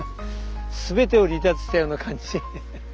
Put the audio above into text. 全てを離脱したような感じ。